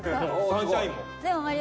『サンシャイン』も。